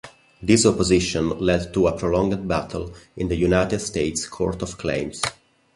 This opposition led to a prolonged battle in the United States Court of Claims.